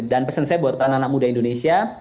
dan pesen saya buat anak anak muda indonesia